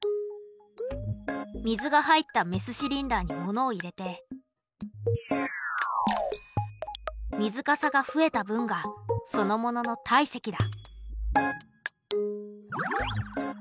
水が入ったメスシリンダーに物を入れて水かさが増えた分がその物の体積だ。